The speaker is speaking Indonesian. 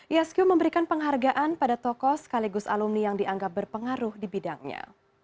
isq memberikan penghargaan pada tokoh sekaligus alumni yang dianggap berpengaruh di bidangnya